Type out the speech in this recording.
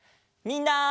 みんな！